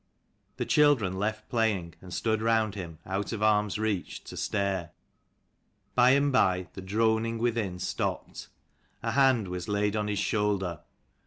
The children left playing, and stood round him out of arm's reach, to stare. By and by the droning within stopped. A hand was laid on his shoulder.